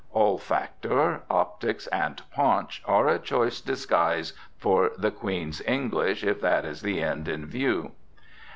Olfactor, optics and paunch are a choice disguise for the Queen's English, if that is the end in view.